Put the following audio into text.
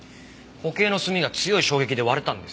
固形の墨が強い衝撃で割れたんですよ。